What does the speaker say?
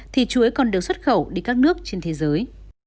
thì chuối còn được xuất khẩu đi các nước trên thế giới